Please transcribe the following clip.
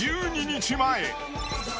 １２日前。